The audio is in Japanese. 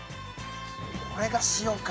これが塩か。